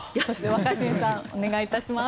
若新さん、お願いします。